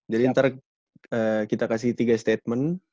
jadi ntar kita kasih tiga statement